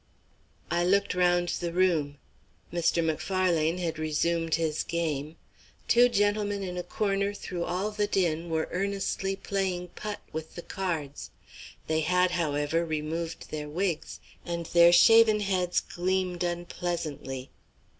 I looked round the room. Mr. Macfarlane had resumed his game. Two gentlemen in a corner through all the din were earnestly playing putt with the cards. They had, however, removed their wigs, and their shaven heads gleamed unpleasantly.